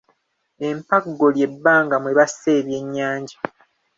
Empaggo ly’ebbanga mwe bassa ebyennyanja.